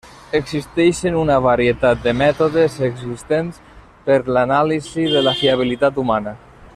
Existeixen una varietat de mètodes existents per l'anàlisi de la fiabilitat humana.